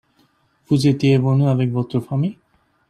Vous étiez venu avec votre famille ?